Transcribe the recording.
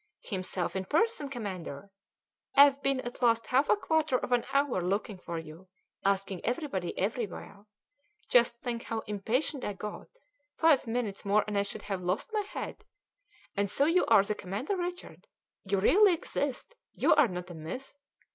"Himself in person, commander! I've been at least half a quarter of an hour looking for you, asking everybody everywhere! Just think how impatient I got; five minutes more and I should have lost my head! And so you are the commander Richard? You really exist? You are not a myth?